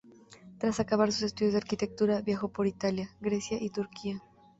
Tras acabar sus estudios de arquitectura viajó por Italia, Grecia y Turquía.